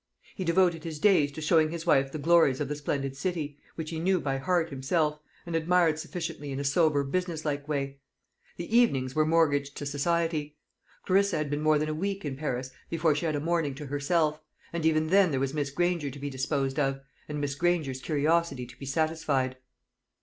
He devoted his days to showing his wife the glories of the splendid city, which he knew by heart himself, and admired sufficiently in a sober business like way. The evenings were mortgaged to society. Clarissa had been more than a week in Paris before she had a morning to herself; and even then there was Miss Granger to be disposed of, and Miss Granger's curiosity to be satisfied.